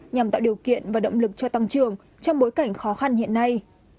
nhằm tạo điều kiện và động lực cho tăng trưởng trong bối cảnh khó khăn hiện nay